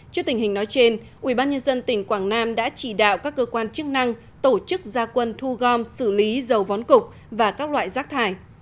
trước tình hình nói trên ubnd tỉnh quảng nam đã chỉ đạo các cơ quan chức năng tổ chức gia quân thu gom xử lý dầu vón cục và các loại rác thải